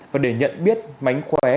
và để nhận biết mánh khóe